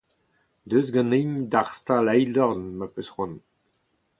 Deus ganin d'ar stal eildorn, ma 'peus c'hoant.